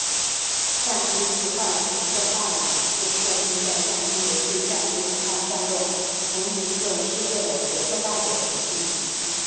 战锤奇幻角色扮演是设定在战棋游戏战锤奇幻战斗同一个世界的角色扮演游戏。